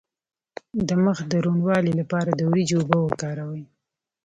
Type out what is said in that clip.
د مخ د روڼوالي لپاره د وریجو اوبه وکاروئ